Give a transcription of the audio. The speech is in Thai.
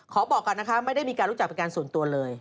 บอกก่อนนะคะไม่ได้มีการรู้จักเป็นการส่วนตัวเลย